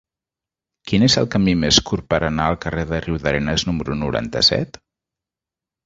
Quin és el camí més curt per anar al carrer de Riudarenes número noranta-set?